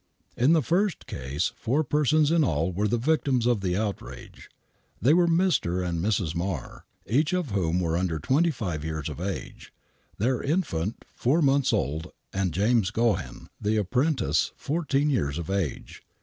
In the first case four persons in all were the victims of the outrage. They were Mr. and Mrs. Marr, each of whom were under twenty five years of age, their infant, four months old, and James Gohen, the apprentice, fourteen years of age.